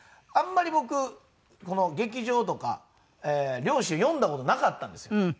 あんまり僕劇場とか両親を呼んだ事なかったんですよ。